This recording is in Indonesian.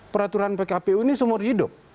peraturan pkpu ini seumur hidup